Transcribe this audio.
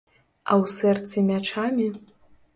А ў сэрцы мячамі?